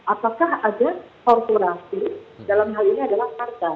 apakah ada korporasi dalam hal ini adalah partai